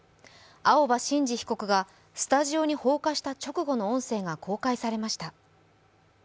青葉真司被告がスタジオに放火した直後の音声が公開されました。